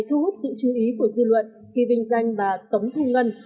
thu hút sự chú ý của dư luận khi vinh danh bà tống thu ngân